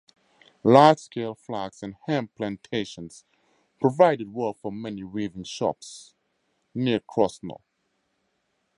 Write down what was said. Large-scale flax and hemp plantations provided work for many weaving shops near Krosno.